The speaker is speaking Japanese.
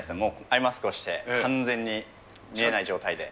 アイマスクをして、完全に見えない状態で。